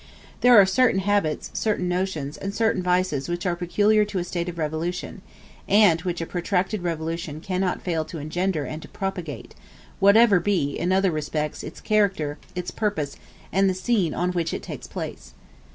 There are certain habits, certain notions, and certain vices which are peculiar to a state of revolution, and which a protracted revolution cannot fail to engender and to propagate, whatever be, in other respects, its character, its purpose, and the scene on which it takes place.